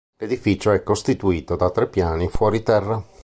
L'edificio è costituito da tre piani fuori terra.